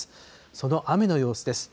その雨の様子です。